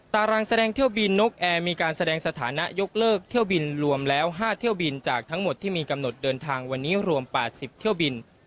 ตารางแสดงเที่ยวบินนกแอร์มีการแสดงสถานะยกเลิกเที่ยวบินรวมแล้ว๕เที่ยวบินจากทั้งหมดที่มีกำหนดเดินทางวันนี้รวม๘๐เที่ยวบิน